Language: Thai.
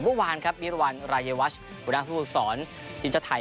เมื่อวานครับมิรวรรณรายวัชคุณผู้พุทธสอนที่เจอไทย